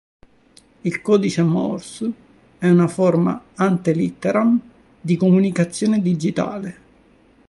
Il codice Morse è una forma "ante litteram" di comunicazione digitale.